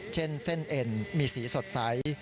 เช่นเส้นเอ็นมีสีสดใส